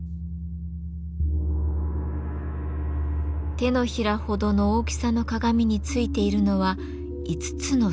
手のひらほどの大きさの鏡についているのは５つの鈴。